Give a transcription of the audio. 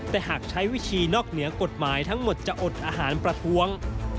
แต่หากใช้วิธีนอกเหนือกฎหมายทั้งหมดจะอดอาหารประท้วง